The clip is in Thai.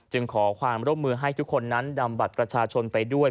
ขอความร่วมมือให้ทุกคนนั้นนำบัตรประชาชนไปด้วย